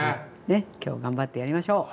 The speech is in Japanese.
ねっ今日頑張ってやりましょう！